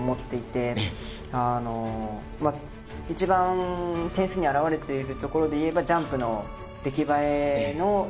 一番点数に表れているところで言えばジャンプの出来栄えの点数。